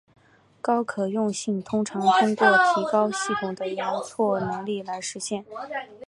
高可用性通常通过提高系统的容错能力来实现。